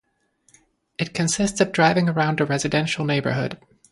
It consists of driving around a residential neighborhood.